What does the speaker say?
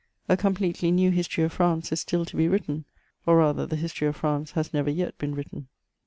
A completely new history of France is stiU to be written, or rather the Histoiy of France has never yet been written.